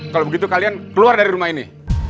kalau begitu kalian keluar dari rumah ini